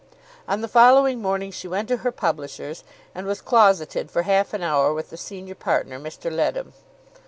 On the following morning she went to her publishers, and was closeted for half an hour with the senior partner, Mr. Leadham.